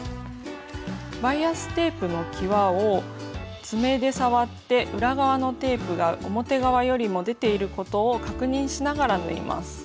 バイアステープのきわを爪で触って裏側のテープが表側よりも出ていることを確認しながら縫います。